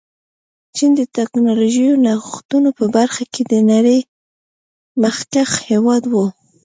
چین د ټکنالوژيکي نوښتونو په برخه کې نړۍ مخکښ هېواد و.